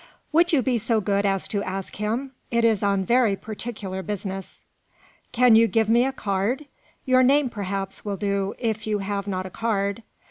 "Would you be so good as to ask him? It is on very particular business." "Can you give me a card? your name, perhaps, will do, if you have not a card.